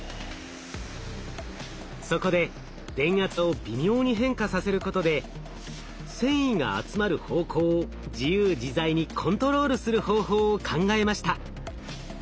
そこで電圧を微妙に変化させることで繊維が集まる方向を自由自在にコントロールする方法を考えました。